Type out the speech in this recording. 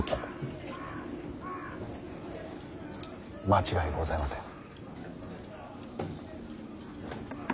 間違いございません。